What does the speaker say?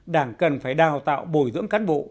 đảng cần phải đào tạo bồi dưỡng cán bộ